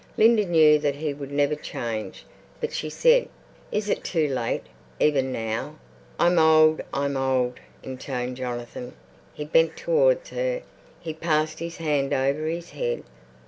Linda knew that he would never change, but she said, "Is it too late, even now?" "I'm old—I'm old," intoned Jonathan. He bent towards her, he passed his hand over his head.